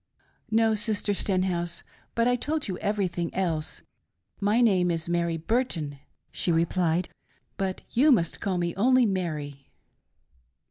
" No, Sister Sterihouse ; but I told you everything else. My name is Mary Bttrton" she replied, " hnt you must call me only Mary."